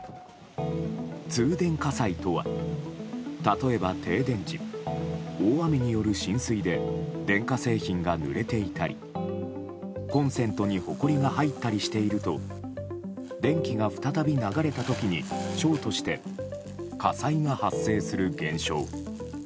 通電火災とは、例えば停電時大雨による浸水で電化製品がぬれていたりコンセントにほこりが入ったりしていると電気が再び流れた時にショートして火災が発生する現象。